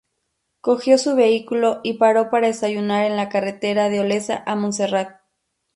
Cogió su vehículo y paró para desayunar en la carretera de Olesa a Montserrat.